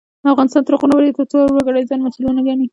افغانستان تر هغو نه ابادیږي، ترڅو هر وګړی ځان مسؤل ونه ګڼي.